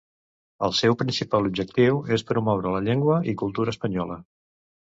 El seu principal objectiu és promoure la llengua i cultura espanyola.